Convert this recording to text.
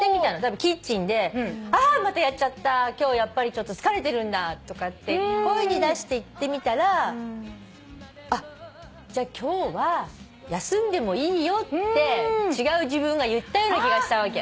キッチンで「あまたやっちゃった」「今日やっぱりちょっと疲れてるんだ」とかって声に出して言ってみたら「あっじゃ今日は休んでもいいよ」って違う自分が言ったような気がしたわけ。